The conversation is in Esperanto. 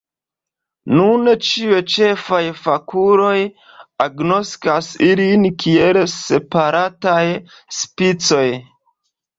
Nune ĉiuj ĉefaj fakuloj agnoskas ilin kiel separataj specioj.